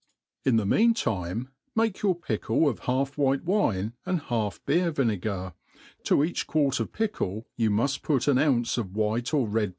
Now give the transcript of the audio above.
In the mean time, make your pickle of half white wine and half beer^viAcgar :* to eact^ quart of pickle ^ou muft put an ounce of white or red.